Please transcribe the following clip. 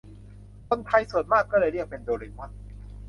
คนไทยส่วนมากก็เลยเรียกเป็นโดเรมอน